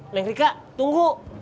neng rika tunggu